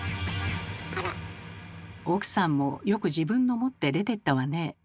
奥さんもよく自分の持って出てったわね。